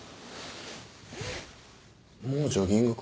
もうジョギングか？